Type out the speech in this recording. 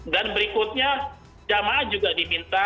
dan berikutnya jemaah juga diminta untuk